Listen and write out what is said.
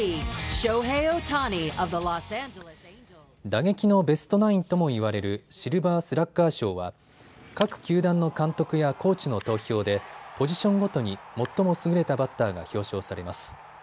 打撃のベストナインとも言われるシルバースラッガー賞は、各球団の監督やコーチの投票でポジションごとに最も優れたバッターが表彰されます。